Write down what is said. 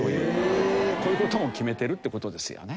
こういう事も決めてるって事ですよね。